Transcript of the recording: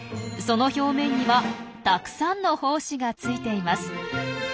その表面にはたくさんの胞子がついています。